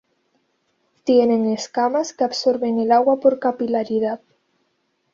Tienen escamas que absorben el agua por capilaridad.